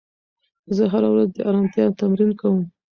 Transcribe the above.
زه هره ورځ د ارامتیا تمرین کوم.